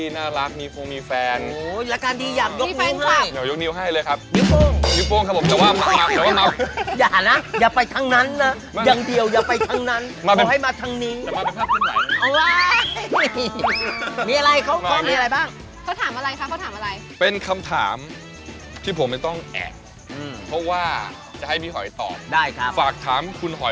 น่า๑เดือนนะครับเรามีแฟนของเรานะครับ